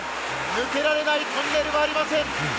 抜けられないトンネルはありません。